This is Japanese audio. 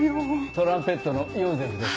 トランペットのヨーゼフです。